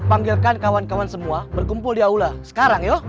panggilkan kawan kawan semua berkumpul di aula sekarang ya